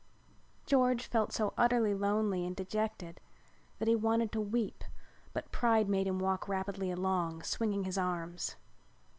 George felt so utterly lonely and dejected that he wanted to weep but pride made him walk rapidly along, swinging his arms.